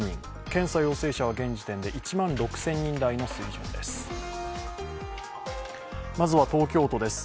検査陽性者は現時点で１万６０００人台の水準です。